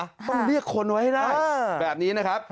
ต้องเรียกคนไว้ให้ได้แบบนี้นะครับ